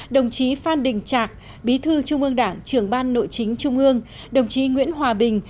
đồng chí phan đình trạc bí thư trung ương đảng trưởng ban nội chính trung ương đồng chí nguyễn hòa bình